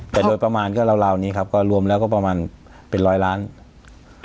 แต่โดยประมาณก็ราวนี้ครับก็รวมแล้วก็ประมาณเป็นร้อยล้าน